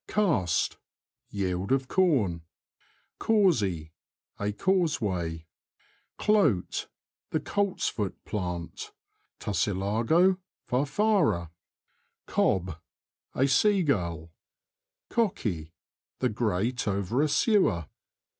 Cast. — ^Yield of corn. Causey. — A causeway. Clote. — The coltsfoot plant (Tussilago farfara). Cob. — A seagull. COCKEY. — The grate over a sewer.